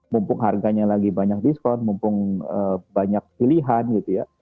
mumpung harganya lagi banyak diskon mumpung banyak pilihan gitu ya